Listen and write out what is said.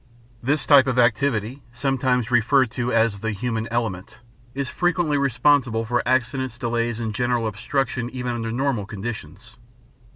This type of activity, sometimes referred to as the "human element," is frequently responsible for accidents, delays, and general obstruction even under normal conditions.